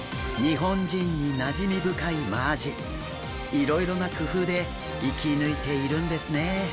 いろいろな工夫で生き抜いているんですね。